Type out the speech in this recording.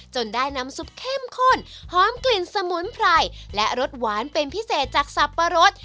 ได้น้ำซุปเข้มข้นหอมกลิ่นสมุนไพรและรสหวานเป็นพิเศษจากสับปะรด